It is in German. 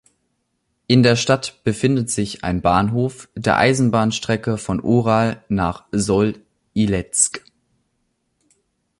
In der Stadt befindet sich ein Bahnhof der Eisenbahnstrecke von Oral nach Sol-Ilezk.